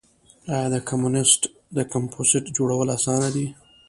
آیا د کمپوسټ جوړول اسانه دي؟